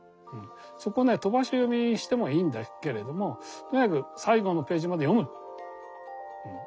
そこね飛ばし読みしてもいいんだけれどもとにかく最後のページまで読む。